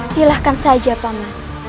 silahkan saja paman